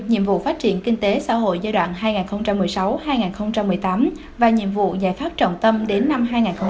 nhiệm vụ phát triển kinh tế xã hội giai đoạn hai nghìn một mươi sáu hai nghìn một mươi tám và nhiệm vụ giải pháp trọng tâm đến năm hai nghìn hai mươi